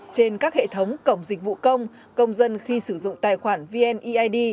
trên các hệ thống cổng dịch vụ công công dân khi sử dụng tài khoản vneid